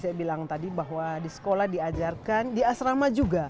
saya bilang tadi bahwa di sekolah diajarkan di asrama juga